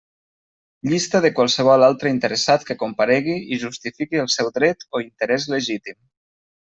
Llista de qualsevol altre interessat que comparegui i justifiqui el seu dret o interès legítim.